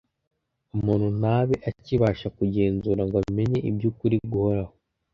umuntu ntabe akibasha kugenzura ngo amenye iby’ukuri guhoraho